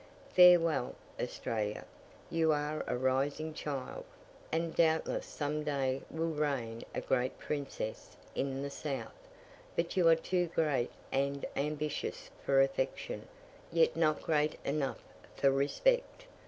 Farewell, Australia! you are a rising child, and doubtless some day will reign a great princess in the South: but you are too great and ambitious for affection, yet not great enough for respect.